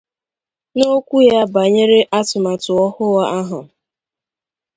N'okwu ya banyere atụmatụ ọhụụ ahụ